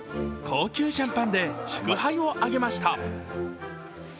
高級シャンパンで祝杯を上げました。